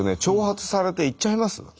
挑発されて行っちゃいます？